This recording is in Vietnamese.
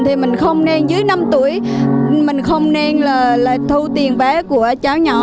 thì mình không nên dưới năm tuổi mình không nên là thu tiền vé của cháu nhỏ